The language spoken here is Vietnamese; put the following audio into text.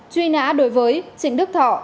truy nã đối với trịnh đức thọ